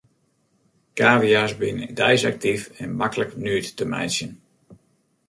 Kavia's binne deis aktyf en maklik nuet te meitsjen.